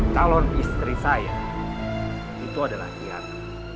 calon istri saya itu adalah kiana